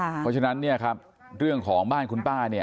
เพราะฉะนั้นเนี่ยครับเรื่องของบ้านคุณป้าเนี่ย